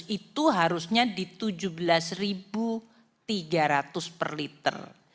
itu harusnya di rp tujuh belas tiga ratus per liter